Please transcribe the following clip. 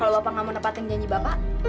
kalau bapak nggak mau nempatin janji bapak